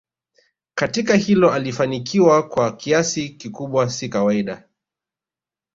katika hilo alifanikiwa kwa kiasi kikubwa si kawaida